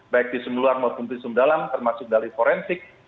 baik visum luar maupun visum dalam termasuk dari forensik